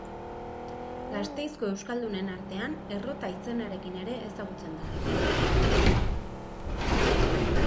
Gasteizko euskaldunen artan Errota izenarekin ere ezagutzen da.